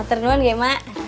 paternuan ya emak